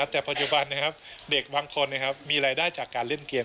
แต่ปัจจุบันเด็กบางคนมีรายได้จากการเล่นเกม